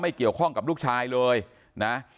เกี่ยวข้องกับลูกชายเลยนะ